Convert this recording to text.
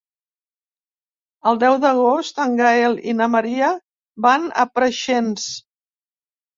El deu d'agost en Gaël i na Maria van a Preixens.